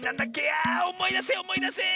あおもいだせおもいだせ！